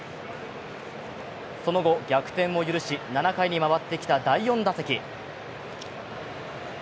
その後逆転を許し７回に回ってきた第２打席。